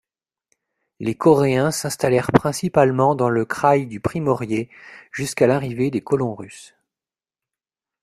Les Coréens s'installèrent principalement dans le Kraï du Primorié, jusqu'à l'arrivée des colons russes.